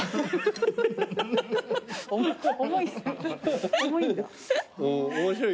重い。